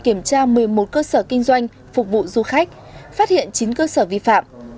kiểm tra một mươi một cơ sở kinh doanh phục vụ du khách phát hiện chín cơ sở vi phạm